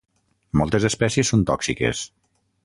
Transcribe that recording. Moltes espècies són tòxiques.